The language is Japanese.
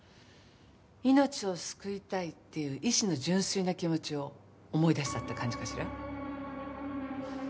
命を救いたいっていう医師の純粋な気持ちを思い出したって感じかしら？